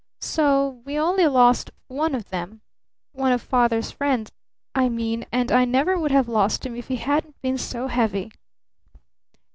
So we only lost one of them one of Father's friends, I mean; and I never would have lost him if he hadn't been so heavy."